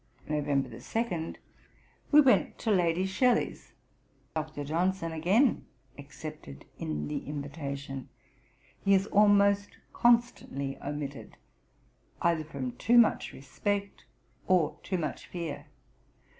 Ib. p. 168. 'Nov. 2. We went to Lady Shelley's. Dr. Johnson again excepted in the invitation. He is almost constantly omitted, either from too much respect or too much fear.